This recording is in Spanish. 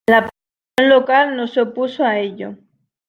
La población local no se opuso a ellos.